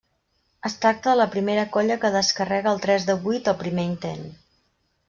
Es tracta de la primera colla que descarrega el tres de vuit al primer intent.